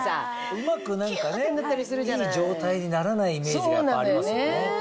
うまく何かねいい状態にならないイメージがやっぱありますよね。